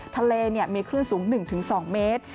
ทะเลมีคลื่นสูง๑๒เมตร